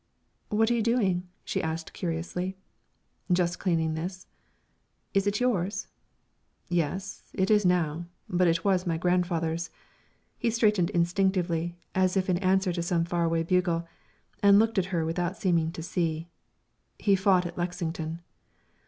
"What are you doing?" she asked, curiously. "Just cleaning this." "Is it yours?" "Yes, it is now; but it was my grandfather's." He straightened instinctively, as if in answer to some far away bugle, and looked at her without seeming to see. "He fought at Lexington."